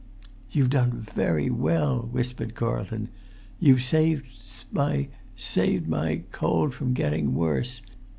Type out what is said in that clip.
"You've done well," whispered Carlton. "You've saved my—saved my cold from getting worse.